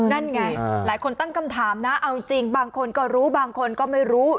นั่นไงหลายคนตั้งคำถามนะเอาจริงบางคนก็รู้บางคนก็ไม่รู้